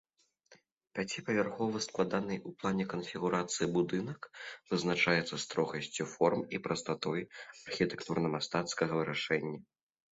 Пяціпавярховы складанай у плане канфігурацыі будынак вызначаецца строгасцю форм і прастатой архітэктурна-мастацкага вырашэння.